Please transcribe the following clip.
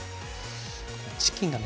チキンがね